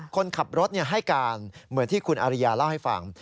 คนขับรถให้การเหมือนที่คุณอริยาเล่าให้ฟัง